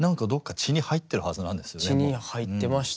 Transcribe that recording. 血に入ってました。